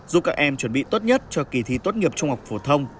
giúp các em chuẩn bị tốt nhất cho kỳ thi tốt nghiệp trung học phổ thông